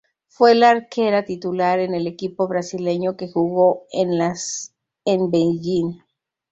Fue la arquera titular en el equipo brasileño que jugó en las en Beijing.